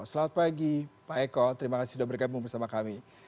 selamat pagi pak eko terima kasih sudah bergabung bersama kami